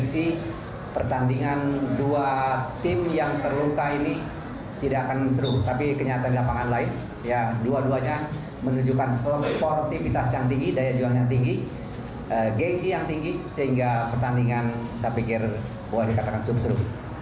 sportivitas yang tinggi daya juara yang tinggi gengsi yang tinggi sehingga pertandingan saya pikir boleh dikatakan seru seru